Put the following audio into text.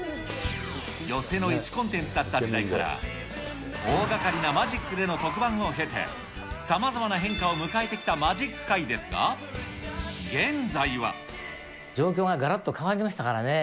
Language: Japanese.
寄席の１コンテンツだった時代から、大がかりなマジックでの特番を経て、さまざまな変化を迎えて状況ががらっと変わりましたからね。